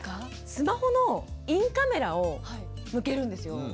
スマホのインカメラを向けるんですよ。